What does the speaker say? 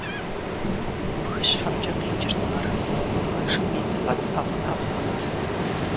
БгыщхьэмкӀэ къикӀырт мэр: куэншыб идзыпӀэ тпэгъунэгъу хъунт.